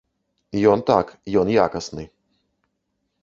Ён так, ён якасны.